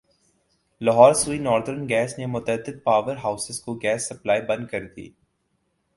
Lahore Sui northern gas نے متعدد power houses کو گیس سپلائی بند کر دی